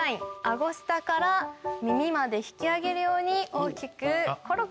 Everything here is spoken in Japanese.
あご下から耳まで引き上げるように大きくコロコロ。